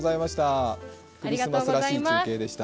クリスマスらしい中継でした。